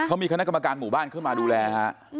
เขามีคณะกรรมการหมู่บ้านเข้ามาดูแลฮะ